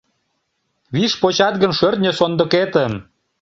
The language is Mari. Виш почат гын шӧртньӧ сондыкетым